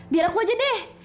biar aku aja deh